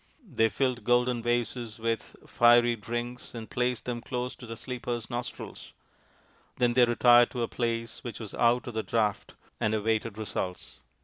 They filled golden vases with fiery RAMA'S QUEST 45 drinks and placed them close to the sleeper's nostrils. Then they retired to a place which was out of the draught and awaited results.